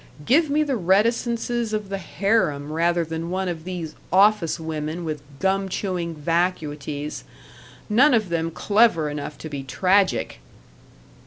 Give me the reticences of the harem rather than one of these office women with gum chewing vacuities. None of them clever enough to be tragic!"